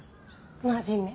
真面目。